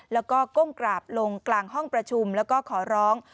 แล้วก็ก้มกราบลงกลางห้องประชุมแล้วก็ขอร้อง